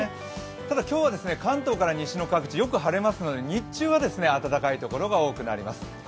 ただ、今日は関東から西の各地、よく晴れますので、日中は暖かい所が多くなります。